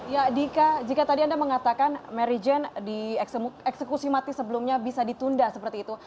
ya dika jika tadi anda mengatakan mary jane di eksekusi mati sebelumnya bisa ditunda seperti itu